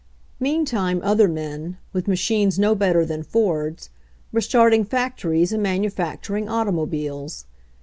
Meantime other men, with machines no better than Ford's, were starting factories and manu facturing automobiles.